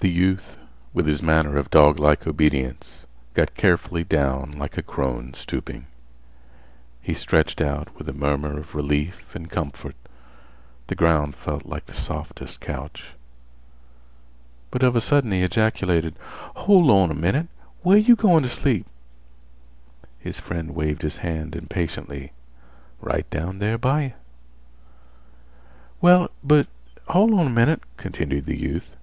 The youth, with his manner of doglike obedience, got carefully down like a crone stooping. He stretched out with a murmur of relief and comfort. The ground felt like the softest couch. But of a sudden he ejaculated: "Hol' on a minnit! Where you goin' t' sleep?" His friend waved his hand impatiently. "Right down there by yeh." "Well, but hol' on a minnit," continued the youth.